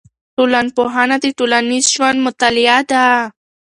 ټولنپوهنه د ټولنیز ژوند مطالعه ده.